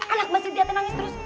anak mbak sintia nangis terus